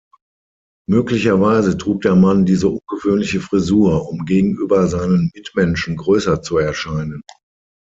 Möglicherweise trug der Mann diese ungewöhnliche Frisur, um gegenüber seinen Mitmenschen größer zu erscheinen.